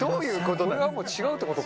これはもう違うって事か。